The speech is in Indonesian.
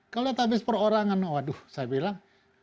kalau database perorangan waduh saya bilang